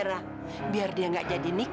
dari ibu riz